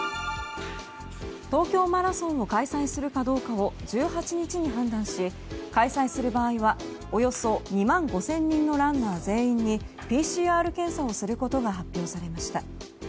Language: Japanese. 東京マラソンを開催するかどうかを１８日に判断し、開催する場合はおよそ２万５０００人のランナー全員にＰＣＲ検査をすることが発表されました。